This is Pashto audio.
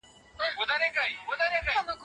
که بریښنالیک وي نو واټن نه خنډ کیږي.